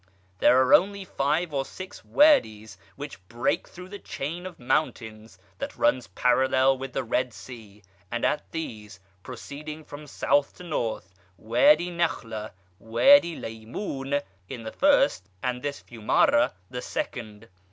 There are only five or six Wadies which break through the chain of mountains that runs parallel with the Red Sea, and of these, proceeding from south to north, Wady Nakhla (Wady Laymun) is the first, and this Fiumara the second.